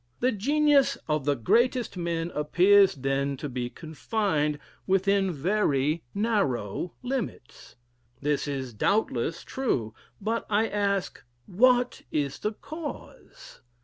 The genius of the greatest men appears then to be confined within very narrow limits. This is, doubtless, true: but I ask, what is the cause?